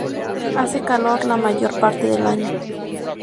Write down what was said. Hace calor la mayor parte del año.